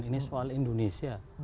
ini soal indonesia